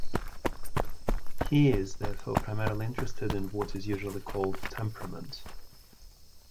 He is, therefore, primarily interested in what is usually called temperament.